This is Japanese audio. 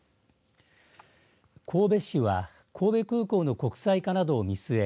神戸市は神戸空港の国際化などを見据え